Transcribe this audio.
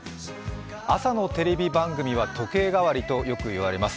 朝のテレビ番組は時計がわりとよく言われます。